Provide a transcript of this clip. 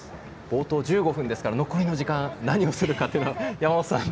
冒頭１５分ですから残りの時間何をするかというのは山本さん。